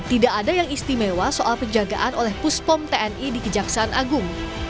tidak ada yang istimewa soal penjagaan oleh puspom tni di kejaksaan agung